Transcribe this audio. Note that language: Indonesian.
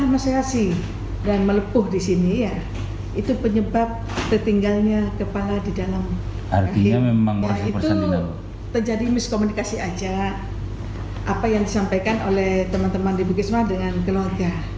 miskomunikasi aja apa yang disampaikan oleh teman teman di bukit semarang dengan keluarga